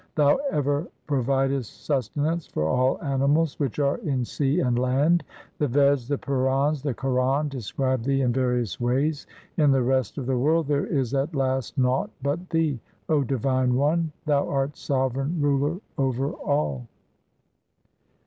Thou ever providest sustenance for all animals which are in sea and land. The Veds, the Purans, the Quran, describe Thee in various ways. In the rest of the world there is at last naught but Thee ; O divine One, Thou art Sovereign Ruler over all.